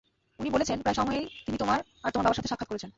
উনি বলেছেন, প্রায় সময়েই তিনি তোমার আর তোমার বাবার সাথে সাক্ষাৎ করেছেন।